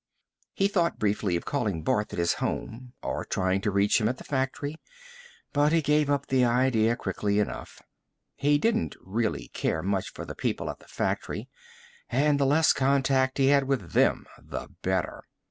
He thought briefly of calling Barth at his home or trying to reach him at the factory, but he gave up the idea quickly enough. He didn't really care much for the people at the factory and the less contact he had with them, the better.